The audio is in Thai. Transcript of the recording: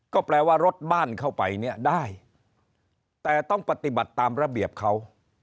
ก็แปลว่ารถบ้านเข้าไปเนี่ยได้แต่ต้องปฏิบัติตามระเบียบเขา